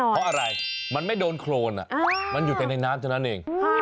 เพราะอะไรมันไม่โดนโครนมันอยู่แต่ในน้ำเท่านั้นเอง